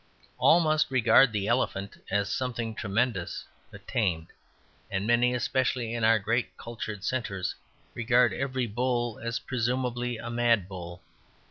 All must regard the elephant as something tremendous, but tamed; and many, especially in our great cultured centres, regard every bull as presumably a mad bull.